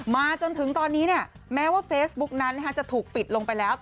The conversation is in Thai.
จนถึงตอนนี้แม้ว่าเฟซบุ๊กนั้นจะถูกปิดลงไปแล้ว